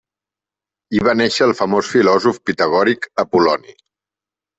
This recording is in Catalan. Hi va néixer el famós filòsof pitagòric Apol·loni.